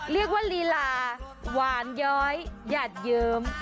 เรียกว่าลีลาหวานย้อยหยาดเยิม